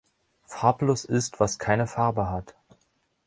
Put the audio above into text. Farblos ist was keine Farbe hat.